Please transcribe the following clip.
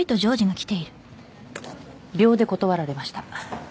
秒で断られました